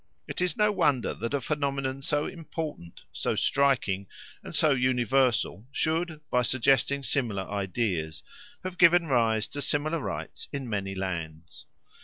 It is no wonder that a phenomenon so important, so striking, and so universal should, by suggesting similar ideas, have given rise to similar rites in many lands.